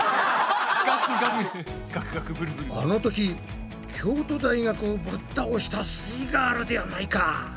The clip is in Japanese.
あの時京都大学をぶったおしたすイガールではないか！